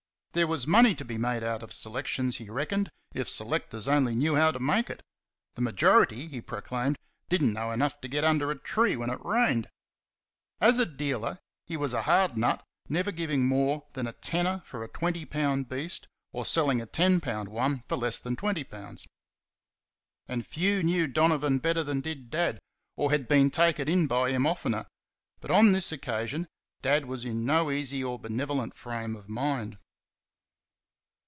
There was money to be made out of selections, he reckoned, if selectors only knew how to make it the majority, he proclaimed, did n't know enough to get under a tree when it rained. As a dealer, he was a hard nut, never giving more than a "tenner" for a twenty pound beast, or selling a ten pound one for less than twenty pounds. And few knew Donovan better than did Dad, or had been taken in by him oftener; but on this occasion Dad was in no easy or benevolent frame of mind.